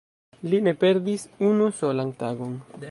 li ne perdis unu solan tagon!